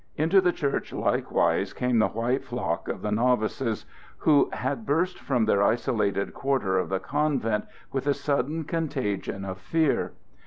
Into the church likewise came the white flock of the novices, who had burst from their isolated quarter of the convent with a sudden contagion of fear.